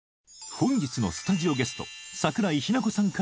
本日のスタジオゲスト